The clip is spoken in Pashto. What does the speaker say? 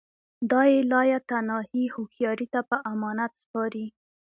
دا یې لایتناهي هوښیاري ته په امانت سپاري